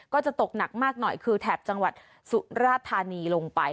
ก็จะตกหนักมากหน่อยคือแถบจังหวัดสุราธานีลงไป